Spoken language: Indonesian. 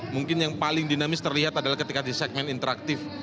mungkin yang paling dinamis terlihat adalah ketika di segmen interaktif